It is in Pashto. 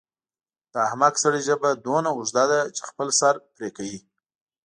د احمق سړي ژبه دومره اوږده ده چې خپل سر پرې کوي.